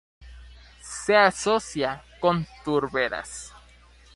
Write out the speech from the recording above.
Se asocia con turberas.